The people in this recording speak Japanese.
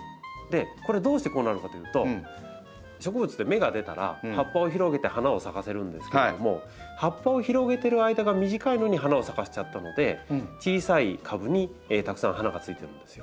これどうしてこうなるかというと植物って芽が出たら葉っぱを広げて花を咲かせるんですけれども葉っぱを広げてる間が短いのに花を咲かせちゃったので小さい株にたくさん花がついてるんですよ。